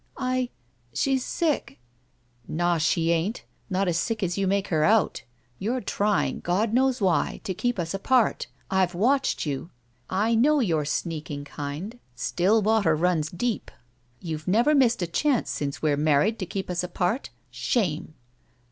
"I— She's sick." "Naw, she ain't. Not as sick as you make out. You're trying, God knows why, to keep us apart. I've watdied you. I know your sneaking kind. 47 SHE WALKS IN BEAUTY Still water runs deep. YouVe never missed a chance since we're married to keep us apart. Shame!